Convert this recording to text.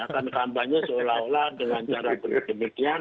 karena kampanye seolah olah dengan cara berbeda beda